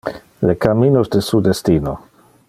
le camminos de su destino.